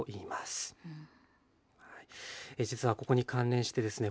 実はここに関連してですね